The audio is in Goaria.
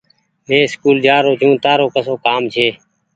مينٚ اسڪول جآرو ڇوٚنٚ تآرو ڪسو ڪآم ڇي